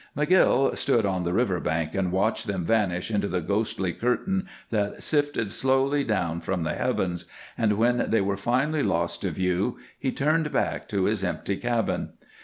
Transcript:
McGill stood on the river bank and watched them vanish into the ghostly curtain that sifted slowly down from the heavens, and when they were finally lost to view he turned back to his empty cabin.